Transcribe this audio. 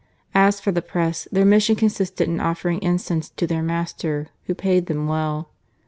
As for the Press, their mission consisted in offer ing incense to their master, who paid them well.